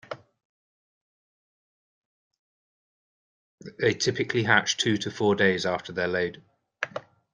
They typically hatch two to four days after they are laid.